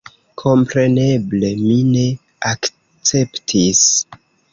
Kompreneble mi ne akceptis.